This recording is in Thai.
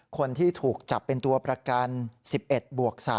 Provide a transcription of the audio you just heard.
คนที่ถูกจับเป็นตัวประกัน๑๑บวก๓